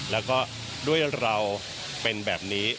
แล้วก็ด้วยเราเป็นแบบนี้